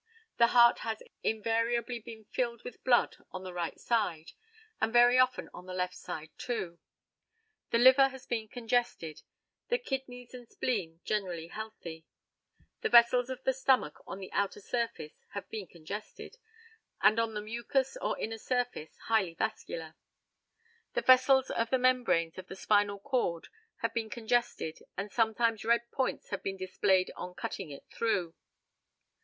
The heart has invariably been filled with blood on the right side, and very often on the left side also. The liver has been congested, the kidneys and spleen generally healthy. The vessels of the stomach on the outer surface have been congested, and on the mucous or inner surface highly vascular. The vessels of the membranes of the spinal cord have been congested, and sometimes red points have been displayed on cutting it through.